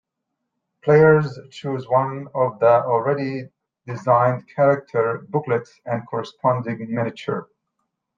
Players choose one of the already designed character booklets and corresponding miniature.